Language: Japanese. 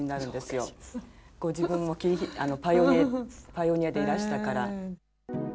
ご自分もパイオニアでいらしたから。